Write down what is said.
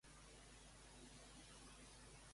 Quan va néixer Maria Àngels Sanahuja?